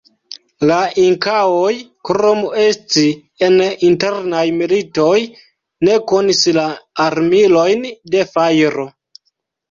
La Inkaoj, krom esti en internaj militoj ne konis la armilojn de fajro.